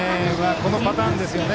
このパターンですね。